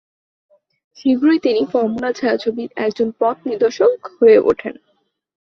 শীঘ্রই তিনি "ফর্মুলা ছায়াছবি"র একজন পথ নির্দেশক হয়ে ওঠেন।